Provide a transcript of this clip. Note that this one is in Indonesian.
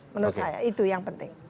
menurut saya itu yang penting